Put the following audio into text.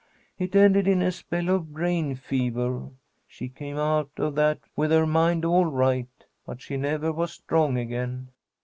It ended in a spell of brain fever. She came out of that with her mind all right, but she never was strong again.